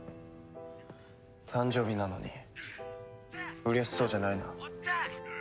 誕生日なのに嬉しそうじゃないな。